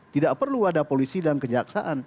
tidak perlu ada polisi dan kejaksaan